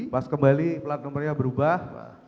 pas kembali plat nomornya berubah